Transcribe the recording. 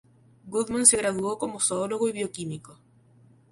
Goodman se graduó como zoólogo y bioquímico.